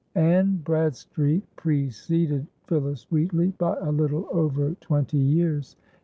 Anne Bradstreet preceded Phillis Wheatley by a little over twenty years.